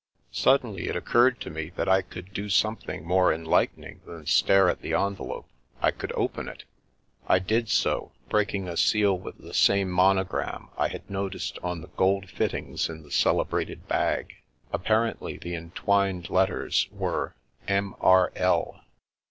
Suddenly it occurred to me that I could do some thing more enlightening than stare at the envelope : I could open it. I did so, breaking a seal with the same monogram I had noticed on the gold fittings in the celebrated bag. Apparently the entwined letters were M. R. L.